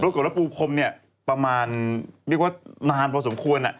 ปรากฏว่าปูพมนี่ประมาณนานพอสมควร